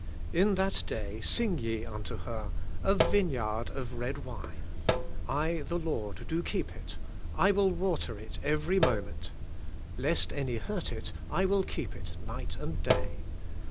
*In that day sing ye unto her, A vineyard of red wine. I the Lord do keep it ; I will water it every moment : lesl any hurt it, I will keep it night and day.